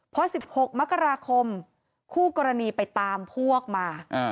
พอ๑๖มกราคมคู่กรณีไปตามพวกมา